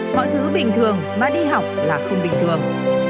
mọi thứ bình thường mà đi học là không bình thường